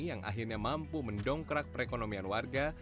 yang akhirnya mampu mendongkrak perekonomian warga